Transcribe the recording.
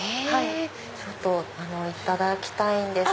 ちょっといただきたいです。